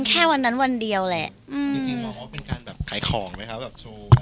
แค่วันนั้นวันเดียวแหละอืมเป็นการแบบขายของไหมคะแบบ